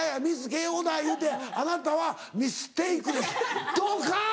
慶應だ言うて「あなたは？」「ミステイクです」ドカン！